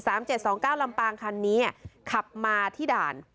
เจ็ดสองเก้าลำปางคันนี้อ่ะขับมาที่ด่าน